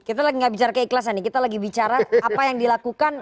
kita lagi gak bicara kaya ikhlas ya nih kita lagi bicara apa yang dilakukan